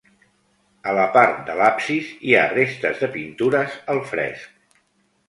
A la part de l'absis hi ha restes de pintures al fresc.